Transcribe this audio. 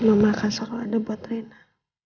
mama akan selalu ada buat rina